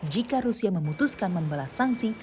jika rusia memutuskan membalas sanksi